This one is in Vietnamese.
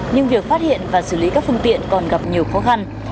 nhưng việc phát hiện và xử lý các phương tiện còn gặp nhiều khó khăn